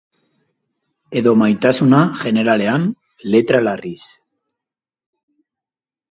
Edo maitasuna jeneralean, letra larriz.